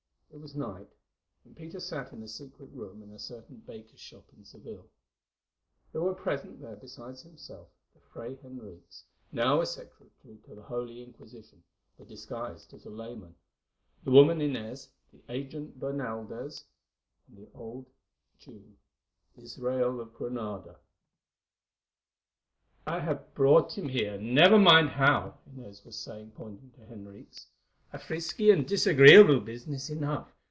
It was night, and Peter sat in a secret room in a certain baker's shop in Seville. There were present there besides himself the Fray Henriques—now a secretary to the Holy Inquisition, but disguised as a layman—the woman Inez, the agent Bernaldez, and the old Jew, Israel of Granada. "I have brought him here, never mind how," Inez was saying, pointing to Henriques. "A risky and disagreeable business enough.